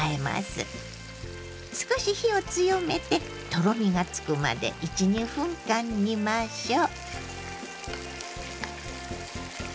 少し火を強めてとろみがつくまで１２分間煮ましょう。